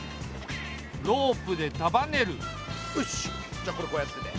じゃあこれこうやってて。